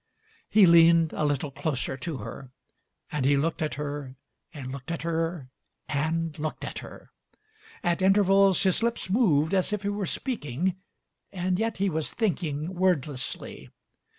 He leaned a little closer to her. And he looked at her and looked at her and looked at her. At inter vals his lips moved as if he were speaking, and yet he was thinking wordlessly.